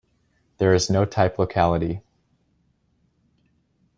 There is no type locality.